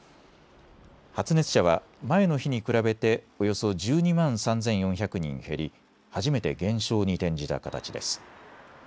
発熱者は前の日に比べておよそ１２万３４００人減り初めて減少に転じた形です。